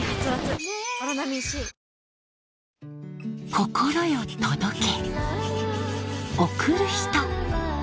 心よ届け